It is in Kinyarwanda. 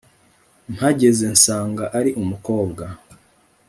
mpageze nsanga ari umukobwa